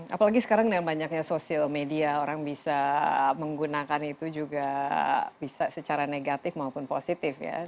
apalagi sekarang dengan banyaknya sosial media orang bisa menggunakan itu juga bisa secara negatif maupun positif ya